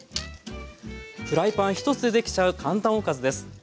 フライパン１つで出来ちゃう簡単おかずです。